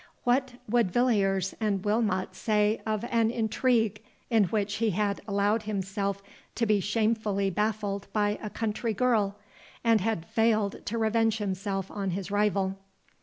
What would Villiers and Wilmot say of an intrigue, in which he had allowed himself to be shamefully baffled by a country girl, and had failed to revenge himself on his rival?